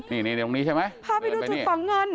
นี่ตรงนี้ใช่ไหม